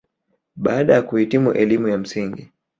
Baada ya kuhitimu elimu ya msingi